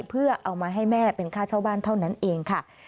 เพื่อเอามาให้แม่เป็นค่าเช่าบ้านเท่านั้นเองค่ะ